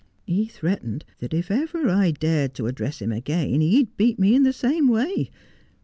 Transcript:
He threatened that if ever I dared to address him again he'd beat me in the same way.